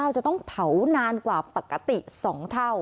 จะต้องเผานานกว่าปกติ๒เท่า